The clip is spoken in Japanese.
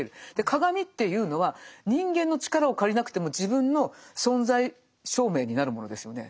鏡っていうのは人間の力を借りなくても自分の存在証明になるものですよね。